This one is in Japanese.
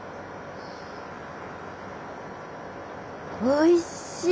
おいしい！